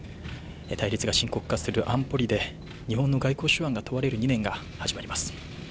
対立が深刻化する安保理で日本の外交手腕が問われる２年が始まります。